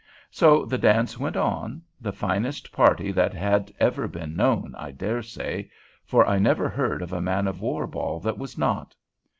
So the dance went on, the finest party that had ever been known, I dare say; for I never heard of a man of war ball that was not.